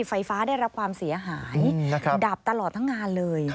ไฟฟ้าได้รับความเสียหายดับตลอดทั้งงานเลย